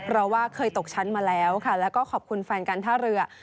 เพราะว่าเคยตกชั้นมาแล้วค่ะแล้วก็ขอบคุณแฟนการท่าเรือ